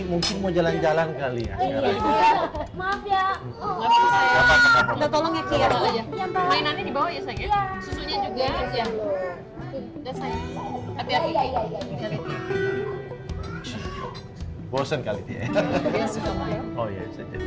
mungkin mau jalan jalan kali ya